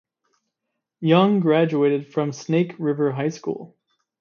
Young graduated from Snake River High School.